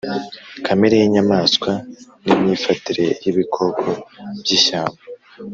kamere y’inyamaswa n’imyifatire y’ibikoko by’ishyamba,